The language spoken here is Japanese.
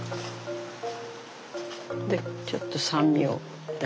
でちょっと酸味を出して。